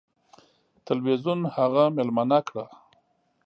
تلویزیون هغه میلمنه کړه.